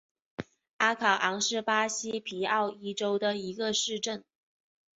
阿考昂是巴西皮奥伊州的一个市镇。